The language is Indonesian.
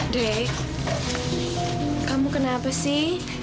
dek kamu kenapa sih